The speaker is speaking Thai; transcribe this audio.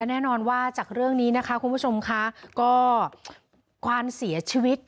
อีกแน่นอนว่าจากเรื่องนี้คุณผู้ชมความเสียชีวิต